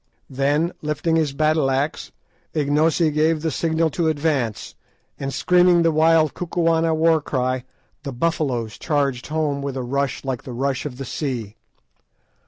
Then, lifting his battle axe, Ignosi gave the signal to advance, and, screaming the wild Kukuana war cry, the Buffaloes charged home with a rush like the rush of the sea.